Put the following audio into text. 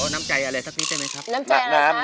น้ำใจอะไรสักนิดได้ไหมครับ